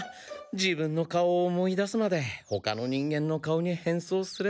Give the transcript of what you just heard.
自分の顔を思い出すまでほかの人間の顔に変装すれば。